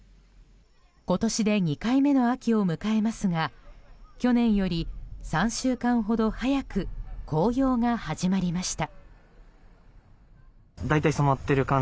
今年で２回目の秋を迎えますが去年より３週間ほど早く紅葉が始まりました。